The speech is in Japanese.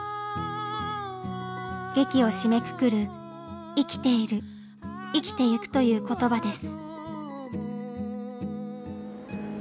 劇を締めくくる「生きている」「生きてゆく！」という言葉です。